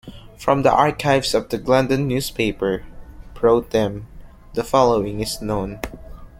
From the archives of the Glendon newspaper, Pro Tem, the following is known.